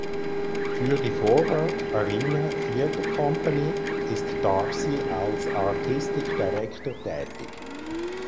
Für die Forward Arena Theatre Company ist D’Arcy als Artistic Director tätig.